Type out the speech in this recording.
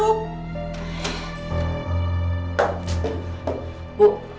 kamu harus tahu itu